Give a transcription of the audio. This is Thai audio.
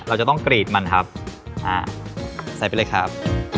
เราจะต้องกรีดมันครับอ่าใส่ไปเลยครับ